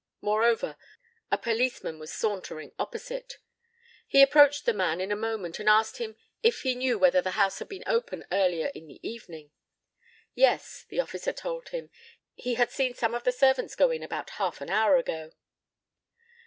Moreover, a policeman was sauntering opposite. He approached the man in a moment and asked him if he knew whether the house had been open earlier in the evening. Yes, the officer told him, he had seen one of the servants go in about half an hour ago.